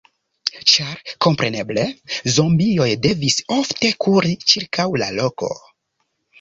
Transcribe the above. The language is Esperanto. Ĉar kompreneble, zombioj devis ofte kuri ĉirkaŭ la loko...